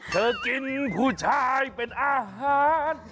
เธอกินผู้ชายเป็นอาหาร